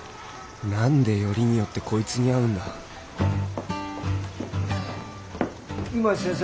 何でよりによってこいつに会うんだ井町先生